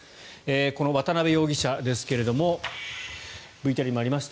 この渡邉容疑者ですがＶＴＲにもありました